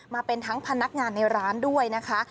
มาเป็นทั้งพนักงานในร้านด้วยนะคะ